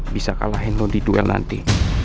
bisa kalahin lo di duel nanti